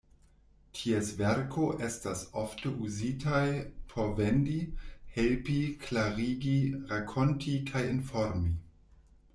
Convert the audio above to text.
Ties verko estas ofte uzitaj por vendi, helpi, klarigi, rakonti kaj informi.